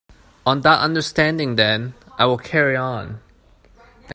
On that understanding then, I will carry on.